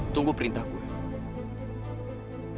tunggu perintah gue